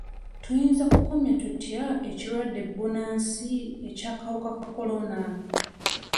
Tuyinza kukomya tutya ekirwadde bbunansi eky'akawuka ka kolona?